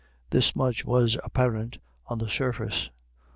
This much was apparent on the surface.